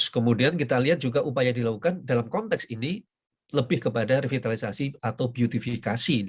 kemudian kita lihat juga upaya dilakukan dalam konteks ini lebih kepada revitalisasi atau beautifikasi